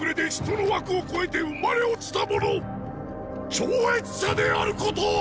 超越者であることを！